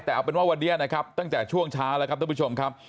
แต่เอาเป็นว่าวันนี้นะครับตั้งแต่ช่วงเช้าแล้วครับท่านผู้ชมครับ